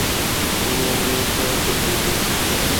ورو ورو په ګرځېدا سو.